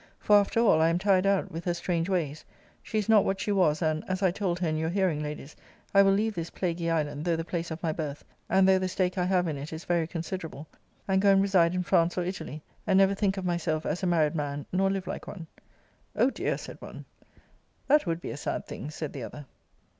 For after all, I am tired out with her strange ways. She is not what she was, and (as I told her in your hearing, Ladies) I will leave this plaguy island, though the place of my birth, and though the stake I have in it is very considerable, and go and reside in France or Italy, and never think of myself as a married man, nor live like one.' O dear! said one. That would be a sad thing! said the other.